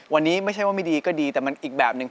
วันนี้ไม่ใช่ว่าไม่ดีก็ดีแต่มันอีกแบบหนึ่ง